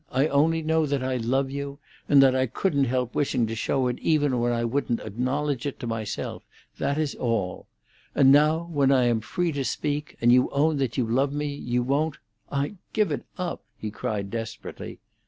I only know that I love you, and that I couldn't help wishing to show it even when I wouldn't acknowledge it to myself. That is all. And now when I am free to speak, and you own that you love me, you won't—I give it up!" he cried desperately.